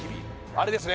あれですね